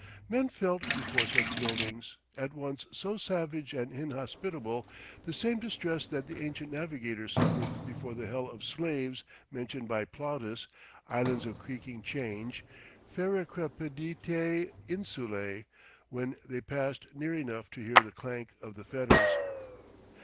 Men felt before such buildings, at once so savage and inhospitable, the same distress that the ancient navigators suffered before the hell of slaves mentioned by Plautus, islands of creaking chains, ferricrepiditæ insulæ, when they passed near enough to hear the clank of the fetters.